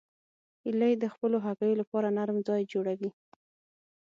هیلۍ د خپلو هګیو لپاره نرم ځای جوړوي